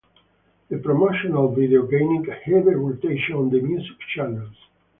The promotional video gained heavy rotation on the music channels.